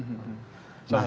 saya ingin tahu